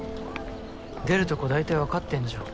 出るとこ大体わかってんじゃん。